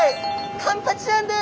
カンパチちゃんです。